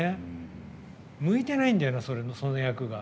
向いてないんだよな、その役が。